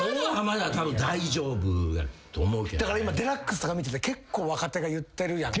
だから今『ＤＸ』とか見てて結構若手が言ってるやんか。